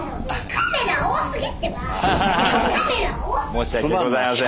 申し訳ございません。